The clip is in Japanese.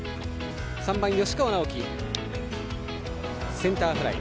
３番、吉川尚輝はセンターフライ。